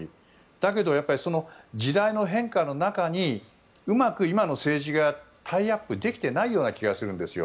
だけど、時代の変化の中にうまく今の政治がタイアップできていないような気がするんですよ。